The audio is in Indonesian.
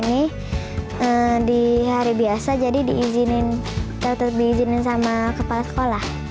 ini di hari biasa jadi diizinin tetap diizinin sama kepala sekolah